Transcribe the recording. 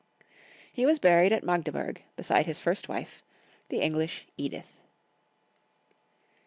He was buried at Magdeburg, beside his first wife, the English Edith.